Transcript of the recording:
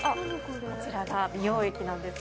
こちらが美容液なんです